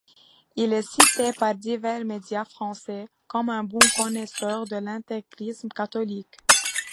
Il est cité par divers médias français comme un bon connaisseur de l'intégrisme catholique.